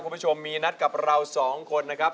คุณผู้ชมมีนัดกับเราสองคนนะครับ